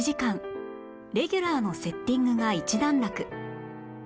レギュラーのセッティングが一段落